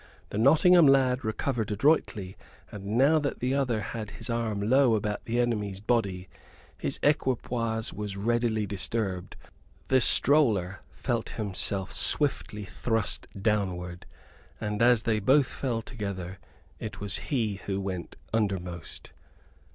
The Nottingham lad recovered adroitly, and now that the other had his arm low about the enemy's body, his equipoise was readily disturbed. The stroller felt himself swiftly thrust downward, and as they both fell together it was he who went undermost.